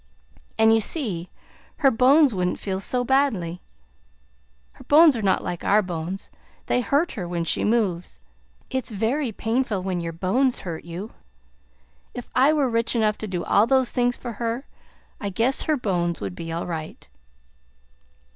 And, you see, her bones wouldn't feel so badly. Her bones are not like our bones; they hurt her when she moves. It's very painful when your bones hurt you. If I were rich enough to do all those things for her, I guess her bones would be all right."